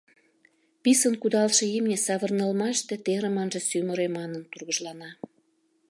Писын кудалше имне савырнылмаште терым ынже сӱмырӧ манын тургыжлана.